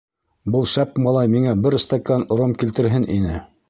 Был шәп малай миңә бер стакан ром килтерһен ине.